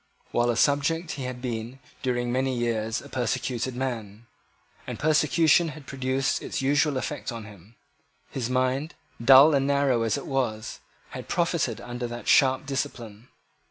While a subject he had been, during many years, a persecuted man; and persecution had produced its usual effect on him. His mind, dull and narrow as it was, had profited under that sharp discipline.